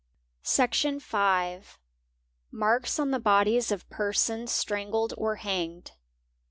Section .v.—Marks on the bodies of persons strangled or hanged.